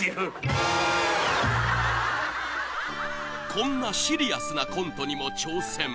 ［こんなシリアスなコントにも挑戦！］